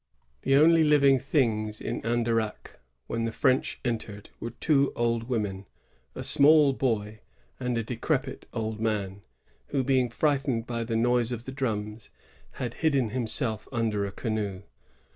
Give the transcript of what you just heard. The only living things in Andaraqu^ when the French entered, were two old women, a small boy, and a decrepit old man, who, being frightened by the noise of the drums, had hidden himself under a canoe.